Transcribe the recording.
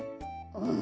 うん。